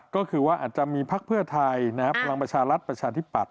ก็คือว่าอาจจะมีภักดิ์เพื่อไทยนะครับพลังประชารัฐประชาธิปัตธ์